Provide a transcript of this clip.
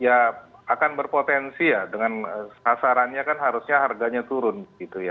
ya akan berpotensi ya dengan sasarannya kan harusnya harganya turun gitu ya